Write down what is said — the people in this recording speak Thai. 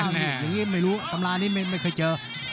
นี่ไม่รู้ตำรานี้ไม่เคยเจอ